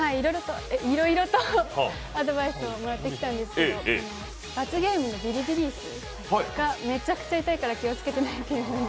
いろいろとアドバイスをもらってきたんですけど罰ゲームのビリビリ椅子がめちゃくちゃ痛いから気をつけてねっていうふうに。